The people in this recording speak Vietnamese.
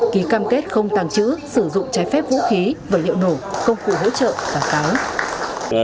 ký cam kết không tàng trữ sử dụng trái phép vũ khí vật liệu nổ công cụ hỗ trợ và pháo